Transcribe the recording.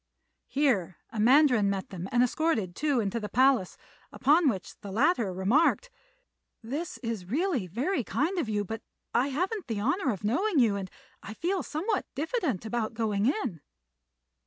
Here a mandarin met them and escorted Tou into a palace, upon which the latter remarked, "This is really very kind of you; but I haven't the honour of knowing you, and I feel somewhat diffident about going in."